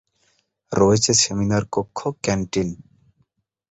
রয়েছে সেমিনার কক্ষ, ক্যান্টিন।